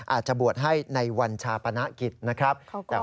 อาจจะบวชให้ในวันชาปนกิจนะครับ